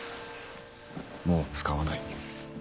もう使わない。